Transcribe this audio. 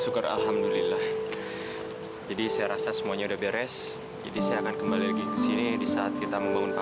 kalau begitu saya permisi pak selamat istirahat pak